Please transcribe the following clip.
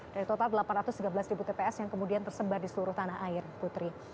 dari total delapan ratus tiga belas tps yang kemudian tersebar di seluruh tanah air putri